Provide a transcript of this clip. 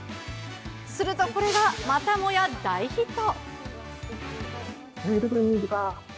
すると、これがまたもや大ヒット。